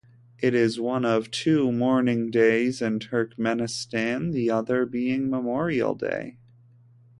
It is one of two mourning days in Turkmenistan (the other being Memorial Day).